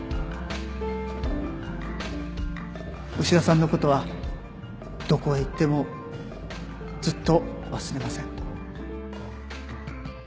牛田さんのことはどこへ行ってもずっと忘れません